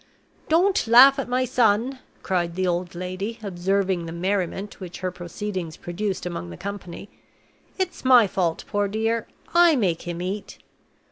"Don't laugh at my son," cried the old lady, observing the merriment which her proceedings produced among the company. "It's my fault, poor dear I make him eat!"